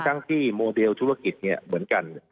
ทั้งที่โมเดลธุรกิจเนี่ยเหมือนกัน